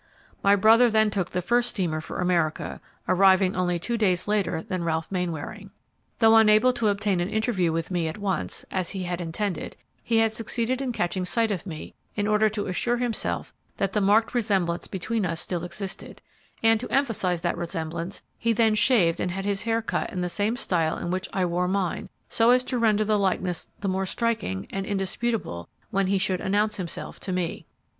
My brother then took the first steamer for America, arriving only two days later than Ralph Mainwaring. Though unable to obtain an interview with me at once, as he had intended, he had succeeded in catching sight of me, in order to assure himself that the marked resemblance between us still existed, and, to emphasize that resemblance, he then shaved and had his hair cut in the same style in which I wore mine, so as to render the likeness the more striking and indisputable when he should announce himself to me.